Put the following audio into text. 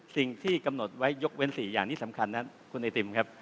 สิ่งที่กำหนดไว้ยกเว้น๔อย่างนี้สำคัญนะคุณไอติมครับ